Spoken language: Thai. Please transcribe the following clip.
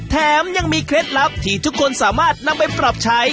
แถมยังมีเคล็ดลับที่ทุกคนสามารถนำไปปรับใช้